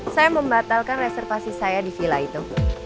saya membatalkan reservasi saya di villa itu